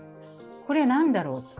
これは何だろう。